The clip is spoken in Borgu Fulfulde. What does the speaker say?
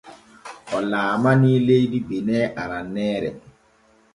O laalanii leydi bene aranneere.